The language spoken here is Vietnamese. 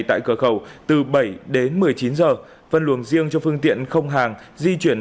tại cửa khẩu từ bảy đến một mươi chín giờ phân luồng riêng cho phương tiện không hàng di chuyển